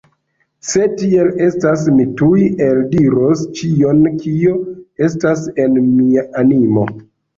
Se tiel estas, mi tuj eldiros ĉion, kio estas en mia animo.